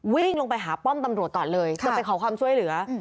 วิ่งลงไปหาป้อมตำรวจก่อนเลยจะไปขอความช่วยเหลือ